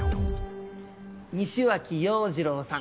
西脇洋二郎さん。